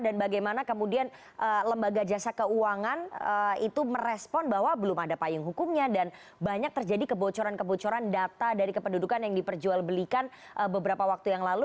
dan bagaimana kemudian lembaga jasa keuangan itu merespon bahwa belum ada payung hukumnya dan banyak terjadi kebocoran kebocoran data dari kependudukan yang diperjualbelikan beberapa waktu yang lalu